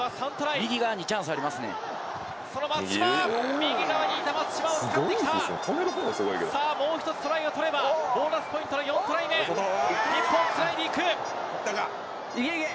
右側にいた、松島を使ってきた、もう１つトライをとれば、ボーナスポイントの４トライ目、日本、繋いでいく。